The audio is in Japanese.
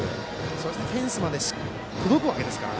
それがフェンスまで届くわけですから。